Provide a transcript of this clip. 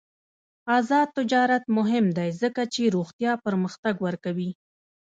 آزاد تجارت مهم دی ځکه چې روغتیا پرمختګ ورکوي.